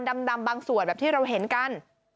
บางส่วนแบบที่เราเห็นกัน